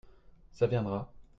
Ça viendra ?